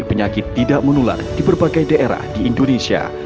penyakit tidak menular di berbagai daerah di indonesia